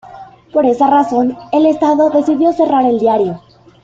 Por esa razón, el estado decidió cerrar el diario.